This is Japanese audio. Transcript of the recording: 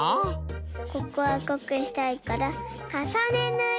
ここはこくしたいからかさねぬり！